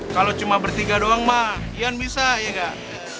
kalau cuma bertiga doang mak ian bisa iya gak